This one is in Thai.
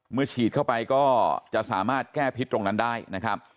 ฉีดเข้าไปก็จะสามารถแก้พิษตรงนั้นได้นะครับ